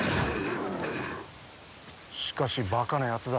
しかしバカなやつだ。